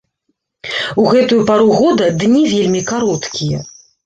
У гэтую пару года дні вельмі кароткія.